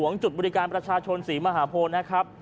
จุดบริการประชาชนศรีมหาโพนะครับ